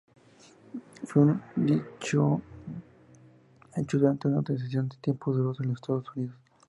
Fue un disco hecho durante una recesión, tiempos duros en los Estados Unidos.